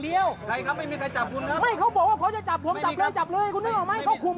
เอ้าครับผมไม่ต่วน